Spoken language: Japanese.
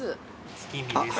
月見です。